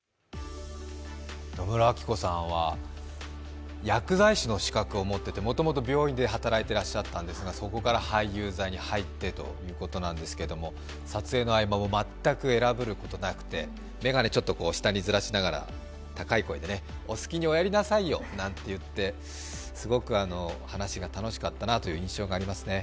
野村昭子さんは薬剤師の資格を持っていてもともと病院で働いてらっしゃったんですがそこから俳優座に入ってということなんですけども、撮影の合間も全く偉ぶることなくて眼鏡をちょっと下にずらしながら高い声でね、「お好きにおやりなさいよ」なんて言ってすごく話が楽しかったなという印象がありますね。